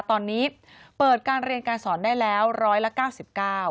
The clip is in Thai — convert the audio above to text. ตอนนี้เปิดการเรียนการสอนได้แล้ว๑๙๙ราย